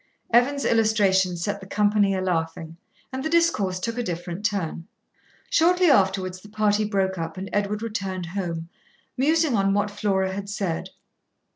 Evan's illustration set the company a laughing, and the discourse took a different turn. Shortly afterwards the party broke up, and Edward returned home, musing on what Flora had said.